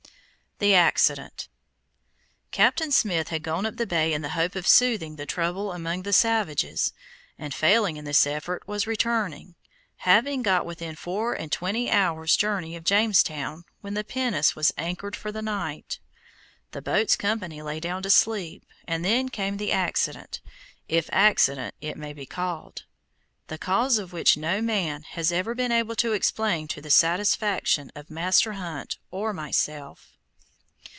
THE ACCIDENT Captain Smith had gone up the bay in the hope of soothing the trouble among the savages, and, failing in this effort, was returning, having got within four and twenty hours' journey of Jamestown, when the pinnace was anchored for the night. The boat's company lay down to sleep, and then came that accident, if accident it may be called, the cause of which no man has ever been able to explain to the satisfaction of Master Hunt or myself.